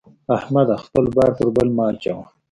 احمده! خپل بار پر بل چا مه اچوه.